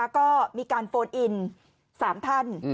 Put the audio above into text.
ก็มีการโฟนอิน๓ท่าน